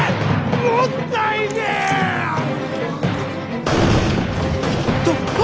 もったいねえ！と殿。